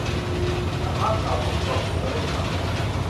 กระทะเก่าถูกปกคลุมไปด้วยฟัดจ์